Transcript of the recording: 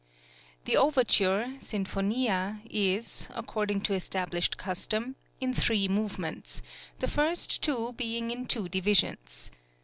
The overture (Sinfonia) is, according to established custom, in three movements, the two first being in two divisions.